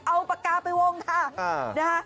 เอาปากกาไปวงค่ะ